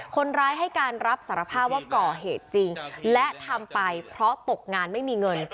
คนร้ายให้การรับสารภาพว่าก่อเหตุจริงและทำไปเพราะตกงานไม่มีเงิน